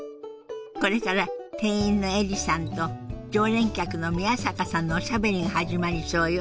これから店員のエリさんと常連客の宮坂さんのおしゃべりが始まりそうよ。